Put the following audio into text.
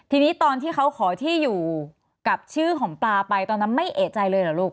ทีนี้ตอนที่เขาขอที่อยู่กับชื่อของปลาไปตอนนั้นไม่เอกใจเลยเหรอลูก